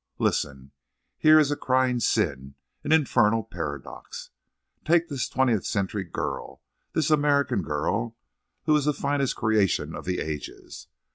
Listen. Here is a crying sin—an infernal paradox. Take this twentieth century girl, this American girl who is the finest creation of the ages.